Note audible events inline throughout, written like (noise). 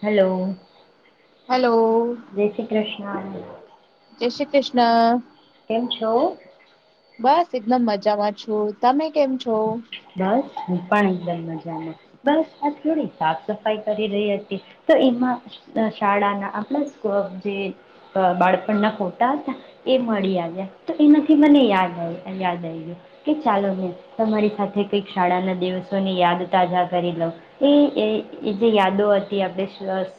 Hello hello. નાની જય શ્રી ક્રિષ્ન. કેમ છો? બસ એકદમ મજામાં છું. તમે કેમ છો? બસ હું પણ એકદમ મજામાં. બસ આ થોડી સાફ સફાઈ કરી રહી હતી. તો એમાં શાળાના આપણા સ્વ જે બાળપણના ફોટા હતા એ મળી આવ્યા. તો એમાંથી મને યાદ આવ્યું યાદ આયવી કે, ચાલો મે તમારી સાથે કંઈક શાળાના દિવસોની યાદ તાજા કરી લઉં. એ એ જે યાદો હતી આપણે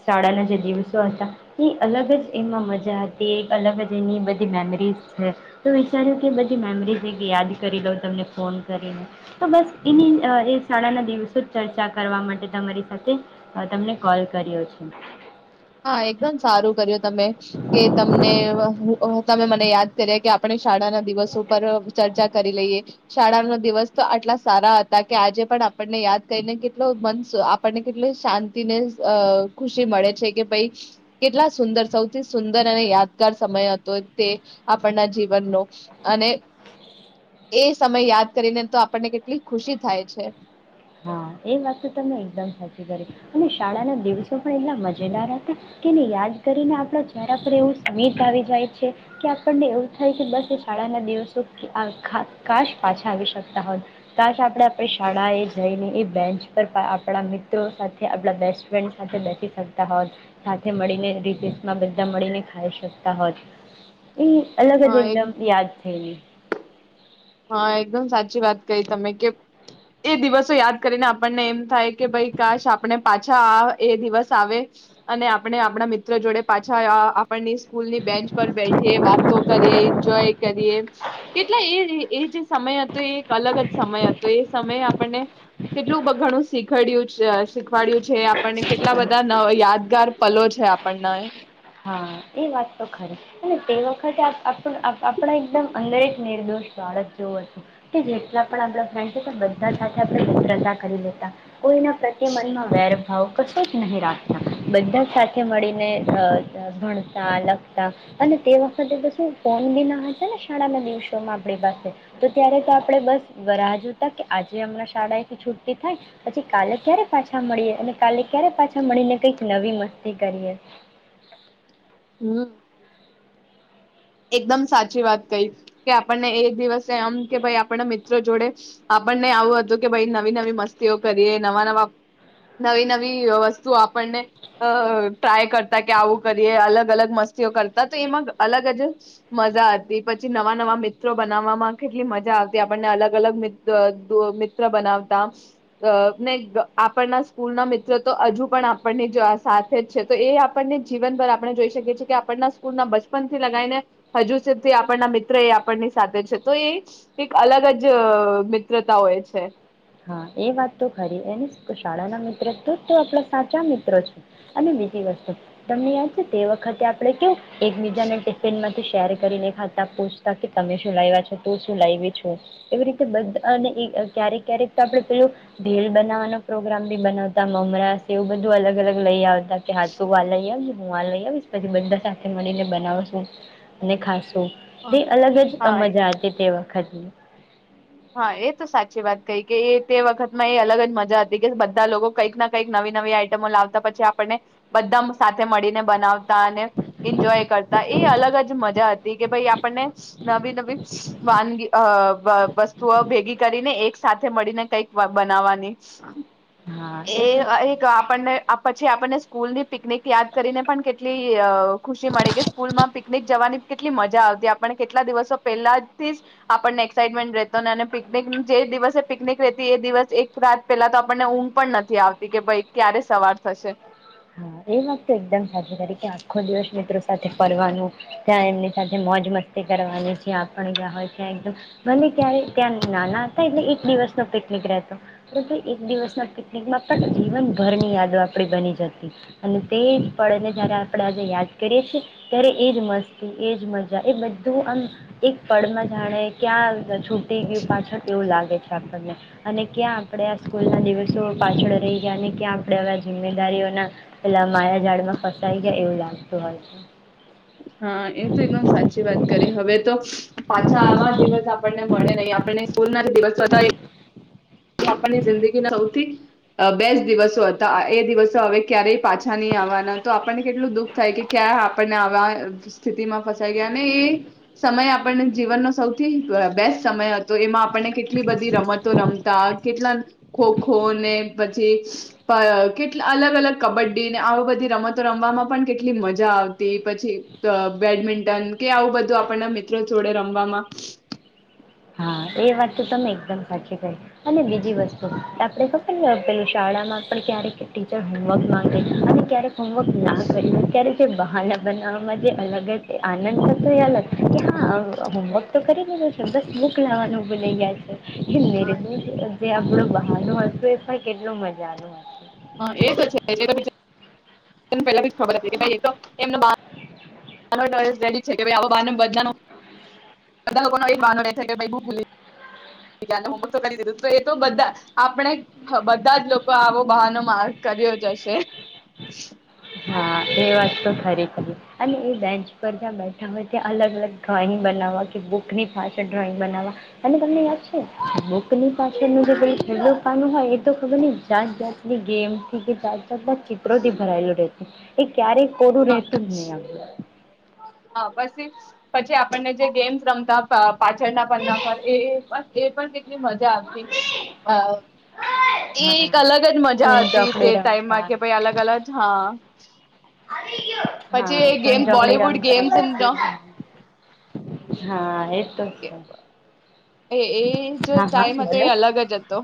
શાળાના જે દિવસો હતા એ અલગ જ એમાં મજા હતી. એક અલગ જ એની બધી મેમરીઝ છે. તો વિચાર્યું કે બધી મેમરીઝ એક યાદ કરી લઉં તમને ફોન કરીને તો બસ એની એ શાળાના દિવસો જ ચર્ચા કરવા માટે તમારી સાથે તમને કોલ કર્યો છે. હા, એકદમ સારું કર્યું. તમે કે તમને વહુ ઓ તમે મને યાદ કર્યા કે આપણે શાળા ના દિવસો પર ચર્ચા કરી લઈએ. શાળાનો દિવસ તો આટલા સારા હતા કે આજે પણ આપણને યાદ કરીને કેટલો મન આપણને કેટલી શાંતિને ખુશી મળે છે કે ભાઈ કેટલા સુંદર, સૌથી સુંદર અને યાદગાર સમય હતો તે આપણના જીવનનો અને એ સમય યાદ કરીને તો આપણને કેટલી ખુશી થાય છે. હા, એ વાત તો તમને એકદમ સાચી કરી અને શાળાના દિવસો પણ એટલા મજેદાર હતા કે એને યાદ કરીને આપણા ચરા પર એવું સ્મિથ આવી જાય છે કે આપણને એવું થાય કે બસ એ શાળાના દિવસો ખાસ કાશ પાછા આવી શકતા હોત, કાશ આપડે આપડી શાળાએ જઈને એ બેન્ચ પર આપડા મિત્રો સાથે આપડા બેસ્ટ ફ્રેન્ડ સાથે બેસી શકતા હોત, સાથે મળીને રીસેસમાં બધા મળીને ખાઈ શકતા હોત. એ અલગ હા જ એક એકદમ યાદ છેલી. હા, એકદમ સાચી વાત ક તમે કે એ દિવસો યાદ કરીને આપણને એમ થાય. કે ભાઈ કાશ આપણે પાચ પાછા આ એ દિવસ આવે અને આપણે આપડા મિત્ર જોડે પાછા આ આપણી સ્કૂલ ની બેન્ચ પર બેઠી એ વાત તો કરીએ, એન્જોય કરીએ, કેટલા એ એ જે સમય હતો એ એક અલગજ સમય હતો, એ સમયે આપણને કેટલું ઘણું શીખડ્યું છે, શીખ વાડ્યું છે આપણને કેટલા બધા ન યાદ ગાર પલો છે આપણના હા, એ વાત તો ખરી અને તે વખતે આપણા એકદમ અંદર એક નિર્દોષ બાળક જોવું હતું કે જેટલા પણ આપ ફન્ડ બધા સાથે એક્રતા કરી લેતા. કોઈના પ્રત્ય મનમાં વેર ભાવ કશો જ નહીં રાખતા, બધા સાથે મળીને અહ ભણતા, લખતા અને તે વખતે તો શું ફોન બી ના હશે ને શાળાના દિવસોમાં આપણી પાસે તો ત્યારે તો આપણે બસ રાહ જોુતા કે આજે હમણાં શાળાથી છુટ્ટી થાય પછી કાલે ક્યારે પાછા મળીએ અને કાલે ક્યારે પાછા મળીને કઈક નવી મસ્તી કરીએ. હમ્મ. એકદમ સાચી વાત કહી કે આપણને એક દિવસે એમ કે ભાઈ આપણા મિત્રો જોડે આપણને આવું હતું કે ભાઈ નવી નવી મસ્તીઓ કરીએ, નવા નવા નવી નવી વસ્તુઓ આપણને ટ્રાય કરતા કે આવું કરીએ, અલગ અલગ મસ્તીઓ કરતા તો એમાં અલગજ મજા હતી પછી નવા નવા મિત્રો બનાવવામાં કેટલી મજા આવતી આપણને અલગ અલગ મિત્ર અ મી મિત્ર અ બનાવતા ને આપણના સ્કૂલ ના મિત્ર તો હજુ પણ આપણને જ સાથે જ છે તો આપણને જીવન પર આપણે જોઈ શકીએ છીએ કે આપણના સ્કૂલ ના બચપન થી લગાવીને હજુ સુધી આપણના મિત્ર એ આપણની સાથે છે તો એ એક અલગ જ અ મિત્રતા હોય છે. હા એ વાત તો ખરી એની શાળાના મિત્ર તો તો આપણા સાચા મિત્રો છે અને બીજી વસ્તુ તમને યાદ છે તે વખતે આપણે કેવ એકબીજા ને ટિફિન માં શેર કરીને ખાતા પૂછતા કે તમે શું લાવ્યા છો, તું શું લાવ છું, એવી રીતે બધા ને ક્યારેક ક્યારેક તો આપડે પેલું ભેળ બનાવવાનો પ્રોગ્રામ ભી બનાવતા મમરા સેવ એવું બધું અલગ અલગ લઈ આવતા. કે હાથ ઉવા લઈ આયવુ. હું આ લઈ આવીશ પછી બધા સાથે મળીને બનાવ છું અને ખાસ તે અલગ જ અ હા મજા હતી તે વખત (inaudible) હા એ તો સાચી વાત કઈ કે એ તે વખત માં એ અલગ જ મજા હતી કે બધા લોકો કંઈક ના કંઈક નવી નવી આઈટમો લાવતા પછી આપણને બધા આમ સાથે મળીને બનાવતા અને એન્જોય કરતા એ અલગ જ મજા હતી કે ભાઈ આપણને નવી નવી વાનગી અ વસ તુ ભેગી કરીને એક સાથે મળીને કઈક બનાવાની. હા એ તો અ છે એક આપણને આપ પછી આપણને સ્કૂલ ની પિકનિક યાદ કરીને પણ કેટલી અ ખુશી મળે કે સ્કૂલ માં પિકનિક જવાની કેટલી મજા આવતી આપણને કેટલા દિવસો પહેલા થી જ આપણને એક્સાઇટમેન્ટ રહે તા અને પીકનીક જે દિવસે પિકનિક રેતી એ દિવસ એક રાત પેલા તો આપણને ઊંઘ પણ નથી આવતી કે ભાઈ ક્યારે સવાર થશે. હા એ વાત તો એકદમ સાચી કરી કે આખો દિવસ મિત્રો સાથે ફરવાનું, ત્યાં એમની સાથે મોજ મસ્તી કરવાની, જ્યા પણ જ્યાં હોય ત્યાં એકદમ ભલે ત્યારે ત્યાં નાના હતા એટલે એક દિવસનો પિકનિક રહેતો એક દિવસના પિકનિકમાં પણ જીવનભરની યાદો આપડી બની જતી. અને તે પળને જ્યારે આપણે આજે યાદ કરીએ છીએ ત્યારે એ જ મસ્તી, એ જ મજા એ બધું આમ એક પળમાં જાણે ક્યાં છૂટી ગયું પાછળ એવું લાગે છે. આપણને અને ક્યાં આપણે આ સ્કૂલના દિવસો પાછળ રહી ગયા અને ક્યાં આપણે આવા જિમ્મેદારીઓના પેલા મારા ઝાડમાં ફસાઈ ગયા એવું લાગતું હોય છે. હા એતો એકદમ સાચી વાત કરી હવેતો પાછા આવા દિવસ આપણને મળે નહિ આપણને સ્કૂલના ભી દિવસ હતા. આપની જિંદગીના સૌથી અ બેસ્ટ દિવસો હતા એ દિવસો હવે ક્યારેય પાછા નહી આવવાના તો આપણને કેટલું દુઃખ થાય કે ક્યાં આપણને આવા સ્થિતિમાં ફસાઈ ગયા અને એ સમય આપણને જીવનનો સૌથી બ બેસ્ટ સમય હતો એમાં આપણને કેટલી બધી રમતો રમતા કેટલા ખોખો ને પછી પ કેટ અલગ અલગ કબડ્ડીને આ બધી રમતો રમવામાં પણ કેટલી મજા આવતી પછી બબેડમિન્ટન કે આવું બધું આપણના મિત્રો જોડે રમવામાં હા એ વાત તો તમે એકદમ સાચી કરી અને બીજી વસ્તુ આપણે ખબર ને પેલું શાળામાં પણ ક્યારેક ટીચર હોમવર્ક માંગે અને ક્યારેક હમવર્ક ના કર્યું ક્યારેક તે બહાના બનાવવામાં જે અલગ જ આનંદ હતો તો એ અલગ કે હા હોમવર્ક તો કરી દીધો છે બસ બુક (unintelligible) જાય છે. હિન્ (unintelligible) જે આપડો બહાનું હતું એ પણ કેટલ મજા નું હતુ. હ એ તો છે પેલા ખબર હતી કે તો, એમ (unintelligible) બધાનો છે કે હ ભૂલી કરી દીધું એ તો બધા આપણે બધા જ લોકો આવો બહાનો માર્ કર્યો જશે. હા એ વાત તો ખરેખ અને એ બેન્ચ પર જ્યાં બેઠા હોય ત્યાં અલગ અલગ ડ્રોઈંગ બનાવવા કે બુકની પાછળ અને એ વાત તો ખરી અને એ બેન્ચ પર (unintelligible) ડ્રોઈંગ બનાવવા અને તમને યાદ છે, બુકની પાછળનું જે કઈ છેલ્લું પાનું હોય એ તો ખબર નહી જાત જાાતની ગેમથી કે જાત ચીપરો ચીત્રો થી ભરાયેલો રહે. હચછ (unintelligible) ક્યારેય કોરૂ હા રહેતું જ નહી આમતો. હા પસી, પછી આપણને જે ગેમ્સ રમતા પાછળના પના પર એ એ પણ ની મજા આવતી, સ એ હા એક અલગ જ મજા સૂન હતી તે ચોકડી ટાઈમમાં રમતા કે ભાઈ અલગ અલગ હા. (unintelligible) પછી હા એ શૂન ગેમ ચોકડી બોલીવુડ રમતા ગેમ્સ પછી. હા એ ત (unintelligible) એ એ જો ટાઈમ હતો, એ અલગ જ હતો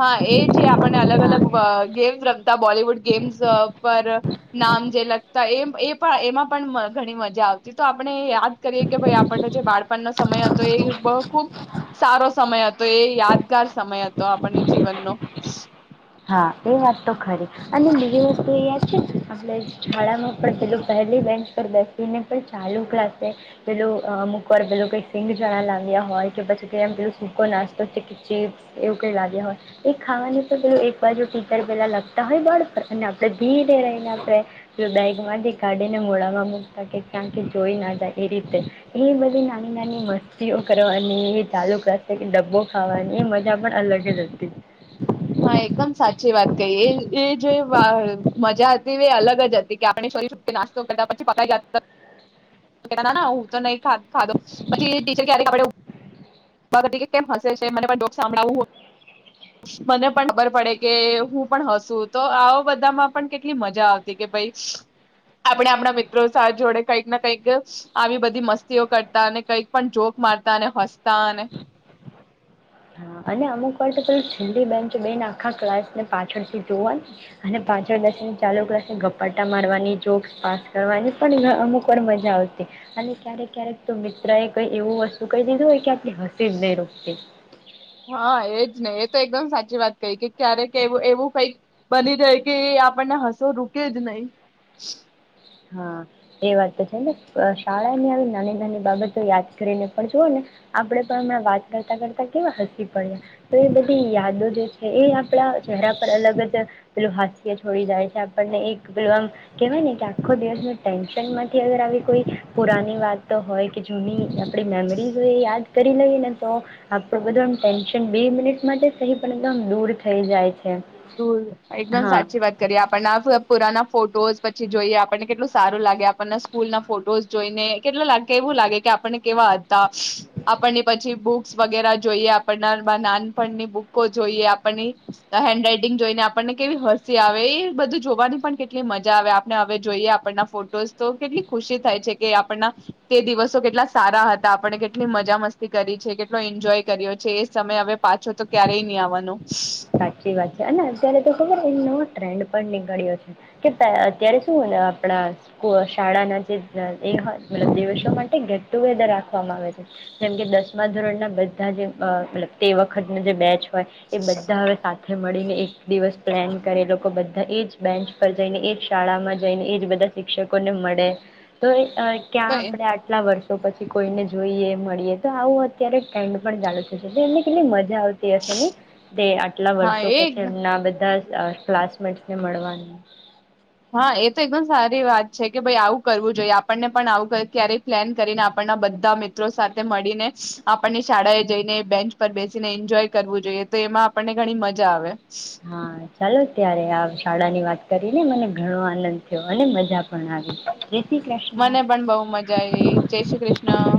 હા એ જે આપણને અલગ હા અલગ ગેમ્સ રમતા બોલીવુડ ગેમ્સ પર, નામ જે લગતા એમાં પણ ઘણી મજા આવતી તો આપણે યાદ કરીએ કે ભાઈ આપણનો જે બાળપણનો સમય હતો એ બ ખૂબ સારો સમય હતો એ યાદગાર સમય હતો આપણને જીવનનો. હા એ વાત તો ખરી અને બીજી વસ્તુ એ યાદ છે આપણે શાળામાં પણ પે પહેલી બેન્ચ પર બેસીને પણ એ વાત તો ખરી અને પેલુ યાદ છે શાળા માં પહેલી બેન્ચ ચાલુ ક્લાસે પેલું અમુકવાર પે કઈક સિંગ ચણા લાવ્યા હોય કે પછી પે સૂકો નાસ્તો છે ચીપ્સ એવું કઈ લાવ્યા હોય એ ખાવાનું તો પેલું પપ્પા જો ટીચર પેલા લખતા હોય બળ પર અને આપડણે ધીરે રહીને આપણે બેગ માંથી કાઢીને મોડામાં મૂકતા, કે ક્યાં કે જોઈ ના જાય એ રીતે એ બધી નાની નાની મસ્તીઓ કરવાની. અને એ ચાલુ કરશે કે ડબ્બો ખાવાની, એ મજા પણ અલગ જ હતી. હા, એકદમ સાચી વાત કહી, એ એ જે મજા હતી, એ અલગ જ હતી કે, આપણે શરીરથી નાસ્તો કરતા, પછી પ જ હું તો નહી. ખાધો, પછી ટીચર આપડે. સાભળું મને પણ ખબર પડે કે, હું પણ હસું તો આવ બધામાં પણ કેટલી મજા આવતી કે, ભાઈ, આપણે આપણા મિત્રો સાથે જોડે કંઈક ના કંઈક આવી બધી મસ્તીઓ કરતા, અને કંઈક પણ જોક મારતા અને હસતાં. (unintelligible) અને અમુક વાર તો પેલી બેન્ચ બેન આખા ક્લાસ ને પાછળથી જોવાની, અને પાછળ દશ ચાલુ ક્લાસને ઘપાટા મારવાની, જોક પાસ કરવાની, પણ અમુક વાર મજા આવતી, અને ક્યારેક ક્યારેક તો મિત્ર એ કઈ એવું વસ્તુ કહી દીધું હોય, કે આપે હસી જ નહી રોકતી. હા, એજ નહી, એ તો એકદમ સાચી વાત કહી, કે ક્યારેક એવું, કઈક બની જાય કે, એ આપણને હસો રૂકે જ નહી. હા, એ વાત તો છે ને, શાળાની આવી નાની-નાની બાબતો યાદ કરીને, પણ જુઓ ને, આપણે પણ હમણાં વાત કરતા- કરતા કેવા હસી પડ્યા તો, એ બધી યાદો જે છે, એ આપડા ચહેરા પર અલગ જ પેલું હાસ્ય છોડી જાય છે આપણને એક પેલું આમ કેહેવાય ને કે આમ આખો દિવસનું ટેન્શનમાંથી અગર આવી કોઈ પુરાની વાતો હોય કે જૂની આપણી મેમરી હોય એ યાદ કરી લઈએ ને તો આપણું બધું આમ ટેન્શન બે મિનિટ માટે સહી પણ એકદમ દૂર થઈ જાય છે. એકદમ હા સાચી વાત કરીએ આપણના પુરાના. ફોટો પછી જોઈએ આપણને કેટલું સારું લાગે આપણ ને સ્કૂલ ના ફોટોઝ જોઈને કેટલા લાગ એવું લાગે કે આપણને કેવા હતા, આપણની પછી બુક્સ વગેરે જોઈએ આપણ નાનપણની બુકો જોઈએ આપણ હેન્ડ જોઈને આપણને કેવી હસી આવે એ બધું જોવાની પણ કેટલી મજા આવે આપણે હવે જોઈએ, આપણના ફોટોસ તો કેટલી ખુશી થાય છે કે આપણના તે દિવસો કેટલા સારા હતા આપણને કેટલી મજા મસ્તી કરી છે કેટલો એન્જોય કર્યો છે એ સમય હવે પાછો તો ક્યારેય નહી આવવાનો. સાચી વાત છે અને અત્યારે તો ખબર નવ ટ્રેન્ડ પણ નીકળ્યો છે કે અત્યારે શું આપણા શાળાના જે દિવસો માટે ગેટ ટુગેધર રાખવામાં આવે છે, જેમ કે દસમા ધોરણના બધા જે તે વખતનો જે બેચ. હોય એ બ સાથે મળીને એક દિવસ પ્લાન કરે લોકો બધા એજ બેન્ચ પર જઈને એજ શાળામાં જઈને એજ બધા શિક્ષકો ને મળે તો અ ક્યાં આપડણે હા આટલા વર્ષો પછી કોઈને જોઈએ. મળીએ તો આવું અત્યારે ટ્રેન્ડ પણ ચાલુ એમને કેટલી મજા આવતી હશે નઈ? તે આટલા વર્ષો એ પછી એમના બધા ક્લાસમેટ ને મળવાની. હા એ તો એકદમ સારી વાત છે કે ભાઈ આવું કરવું જોઈએ આપણને પણ આવું ક્યારેક પ્લેન કરીને, આપણના બધા મિત્રો સાથે મળીને આપણને શાળાએ જઈને બેન્ચ પર બેસીને એન્જોય કરવું જોઈએ તો એમાં આપણને ઘણી મજા આવે. હા ચાલો ત્યારે આ શાળા ની વાત કરીને મને ઘણો આનંદ થયો અને મજા પણ આવી. શ્રી કૃષ્ણ. મને પણ બહુ મજા આવી જય શ્રી કૃષ્ણ.